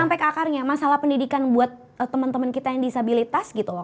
sampai ke akarnya masalah pendidikan buat teman teman kita yang disabilitas gitu loh